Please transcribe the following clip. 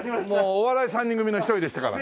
お笑い三人組の一人でしたから。